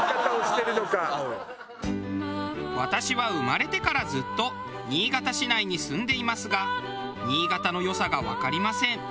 私は生まれてからずっと新潟市内に住んでいますが新潟の良さがわかりません。